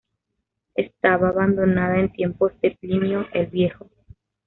Estaba abandonada en tiempos de Plinio el Viejo.